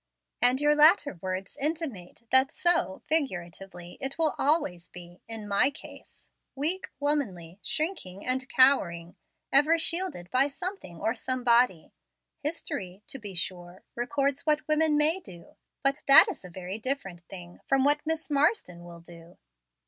And your later words intimate that so, figuratively, it will always be, in MY CASE, weak, womanly, shrinking, and cowering, ever shielded by something or somebody. History, to be sure, records what women MAY do, but that is a very different thing from what Miss Marsden WILL do."